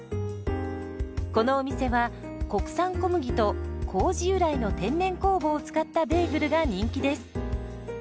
このお店は国産小麦と麹由来の天然酵母を使ったベーグルが人気です。